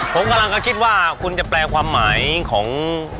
ผมกำลังก็คิดว่าคุณจะแปลความหมายของ